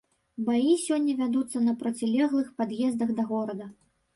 Баі сёння вядуцца на процілеглых пад'ездах да горада.